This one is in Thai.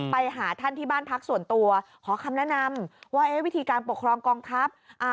ไปหาท่านที่บ้านพักส่วนตัวขอคำแนะนำว่าวิธีการปกครองกองทัพ